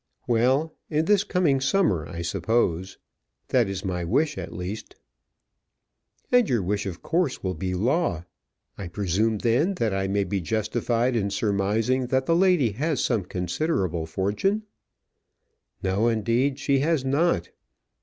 "Well; in this coming summer, I suppose. That is my wish, at least." "And your wish of course will be law. I presume then that I may be justified in surmising that the lady has some considerable fortune?" "No, indeed, she has not.